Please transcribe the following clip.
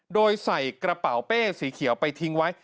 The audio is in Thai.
โดยใส่กระเป๋าเป้สีเขียวไปทิ้งไว้